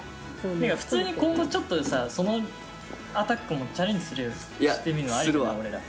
普通に今後ちょっとさそのアタックもチャレンジしてみるのもありじゃない？